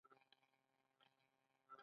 دلته د هراپا تمدن نښې موندل شوي دي